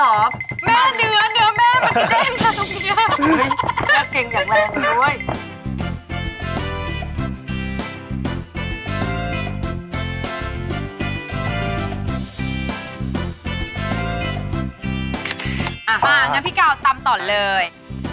อย่างนั้นพี่กาวตำต่อเลย